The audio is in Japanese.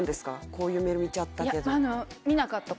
「こういうメール見ちゃったけど」